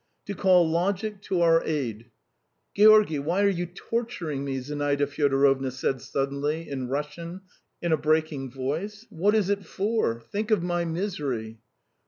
"To call logic to our aid. ..." "Georgy, why are you torturing me?" Zinaida Fyodorovna said suddenly in Russian in a breaking voice. "What is it for? Think of my misery